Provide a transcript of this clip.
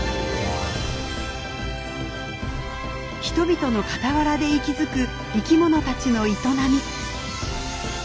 人々の傍らで息づく生き物たちの営み。